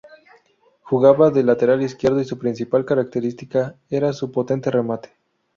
Jugaba de lateral izquierdo y su principal característica era su potente remate.